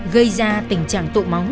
gây ra tình trạng tụ móng